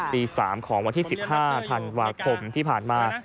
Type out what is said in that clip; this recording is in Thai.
ตี๓ของวันที่๑๕ธันวาคมที่ผ่านมา